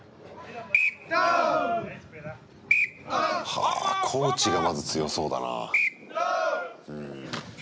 はぁコーチがまず強そうだな。